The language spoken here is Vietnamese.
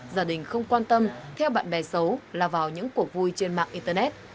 gia đình không quan tâm theo bạn bè xấu là vào những cuộc vui trên mạng internet